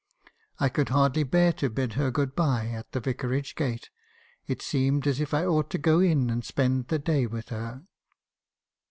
I could hardly bear to bid her good bye at the vicarage gate; it seemed as if I ought to go in and spend the day with her.